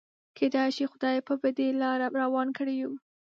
کيدای شي خدای به په دې لاره روان کړي يو.